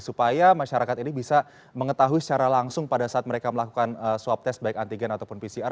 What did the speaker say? supaya masyarakat ini bisa mengetahui secara langsung pada saat mereka melakukan swab test baik antigen ataupun pcr